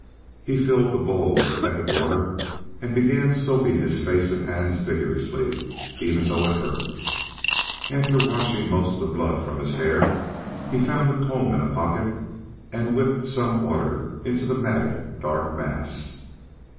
He filled the bowl with tepid water and began soaping his face and hands vigorously, even though it hurt. After washing most of the blood from his hair, he found a comb in a pocket and whipped some order into the matted, dark mass.